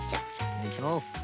よいしょ。